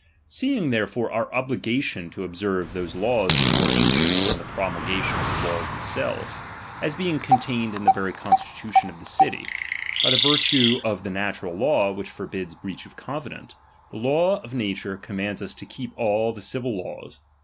10. Seeing therefore our obligation to observe ;iie those laws is more ancient than the promulgation ™°' of the laws themselves, as being contained in the '"^' very constitution of the city ; by the virtue of the natural law which forbids breach of covenant, the law of nature commands us to keep all the civil laws.